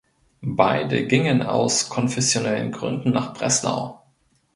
Beide gingen aus konfessionellen Gründen nach Breslau.